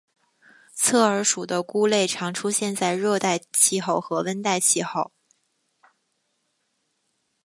侧耳属的菇类常出现在热带气候和温带气候。